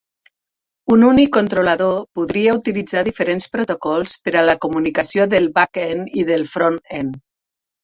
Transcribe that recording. Un únic controlador "podria" utilitzar diferents protocols per a la comunicació del back-end i del front-end.